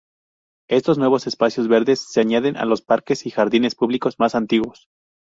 Estos nuevos espacios verdes se añaden a los parques y jardines públicos más antiguos.